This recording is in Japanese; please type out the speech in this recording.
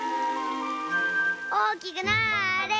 おおきくなれ！